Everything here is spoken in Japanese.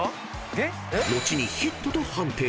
［後にヒットと判定。